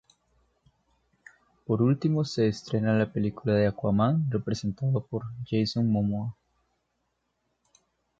Por último, se estrena la película de Aquaman representado por Jason Momoa.